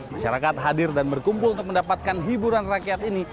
masyarakat hadir dan berkumpul untuk mendapatkan hiburan rakyat ini